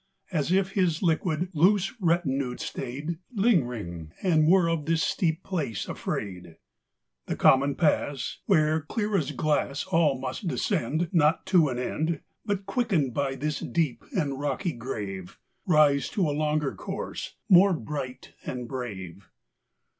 As if his liquid, loose retinue stayed Lingering', and were of this steep place afraid; âĒ The common pass, Where, clear as glass, All must descend Not to an end. But, cjuickened by this deep and rocky grave, Rise to a longer course more bright and brave.